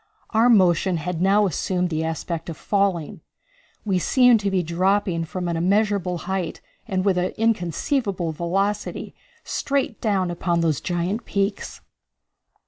Our motion had now assumed the aspect of falling. We seemed to be dropping from an immeasurable height and with an inconceivable velocity, straight down upon those giant peaks.